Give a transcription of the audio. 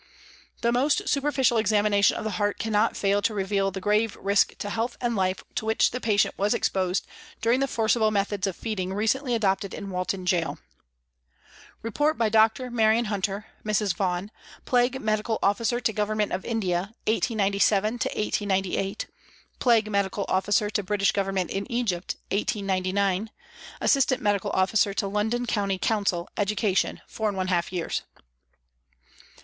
The most super ficial examination of the heart cannot fail to reveal the grave risk to health and life to which the patient was exposed during the forcible methods of feeding recently adopted in Walton Gaol." Report by DR. MARION HUNTER (MRS. VAUGHAN), Plague Medical Officer to Government of India, 18971898 ; Plague Medical Officer to British Government in Egypt, 1899 ; Assistant Medical Officer to London County Council (Education) 4| years.